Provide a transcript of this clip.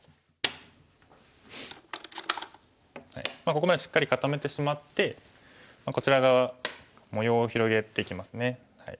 ここまでしっかり固めてしまってこちら側模様を広げていきますね。